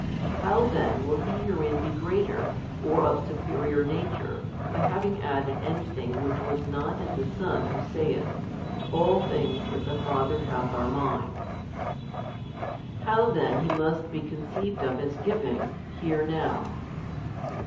How then will He herein be greater, or of Superior Nature, by having added anything which was not in the Son Who saith, All things that the Father hath are Mine? How then He must be conceived of as giving, hear now.